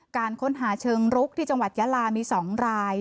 การค้นหาเชิงรุกที่จังหวัดยาลามี๒ราย